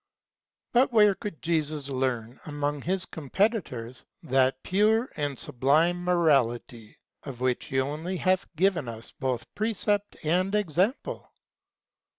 But where could Jesus learn, among his competitors, that pure and sublime morality, of which he only hath given us both precept and example